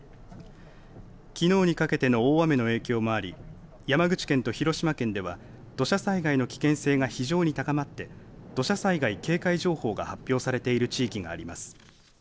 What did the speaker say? きのうにかけての大雨の影響もあり山口県と広島県では土砂災害の危険性が非常に高まって土砂災害警戒情報が発表されている地域があります。